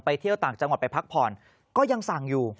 เที่ยวต่างจังหวัดไปพักผ่อนก็ยังสั่งอยู่